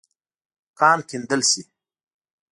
کان کیندل شې.